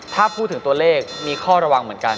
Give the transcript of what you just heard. ถ้าพูดถึงตัวเลขมีข้อระวังเหมือนกัน